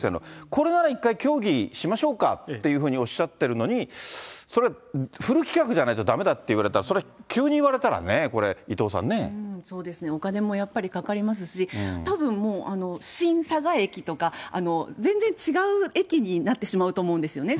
これなら一回、協議しましょうかっていうふうにおっしゃってるのに、それフル規格じゃないとだめだって言われた、急に言われたらね、そうですね、お金もやっぱりかかりますし、たぶんもう、新佐賀駅とか全然違う駅になってしまうと思うんですよね。